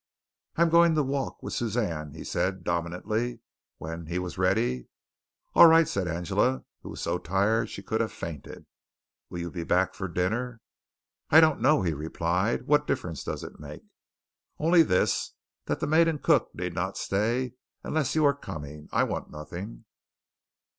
"I'm going to walk with Suzanne," he said dominantly, when he was ready. "All right," said Angela, who was so tired she could have fainted. "Will you be back for dinner?" "I don't know," he replied. "What difference does it make?" "Only this: that the maid and cook need not stay unless you are coming. I want nothing."